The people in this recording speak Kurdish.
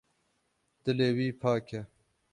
Dilê wî pak e.